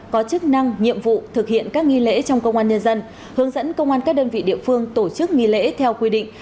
có chức năng nhiệm vụ thực hiện các nghi lễ trong công an nhân dân hướng dẫn công an các đơn vị địa phương tổ chức nghi lễ theo quy định